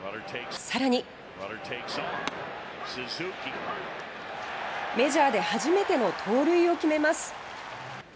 さらにメジャーで初めての盗塁を決めます。